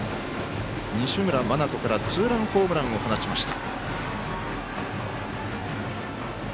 西村真人からツーランホームランを放ちました。